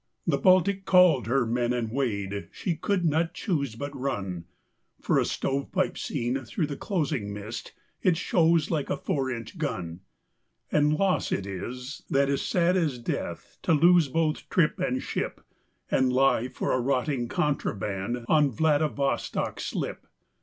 The Baltic called her men and weighed she could not choose but run For a stovepipe seen through the closing mist, it shows like a four inch gun (And loss it is that is sad as death to lose both trip and ship And lie for a rotting contraband on Vladivostock slip).